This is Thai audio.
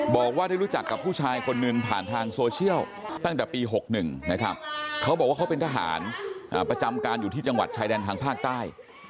บอกว่าได้รู้จักกับผู้ชายคนหนึ่งผ่านทางโซเชียลตั้งแต่ปี๖๑นะครับเขาบอกว่าเขาเป็นทหารประจำการอยู่ที่จังหวัดชายแดนทางภาคใต้